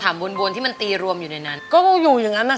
สามีก็ต้องพาเราไปขับรถเล่นดูแลเราเป็นอย่างดีตลอดสี่ปีที่ผ่านมา